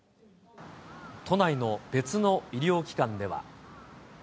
都内の別の医療機関では。